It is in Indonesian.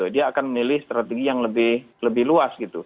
dia akan memilih strategi yang lebih luas gitu